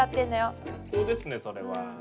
最高ですねそれは。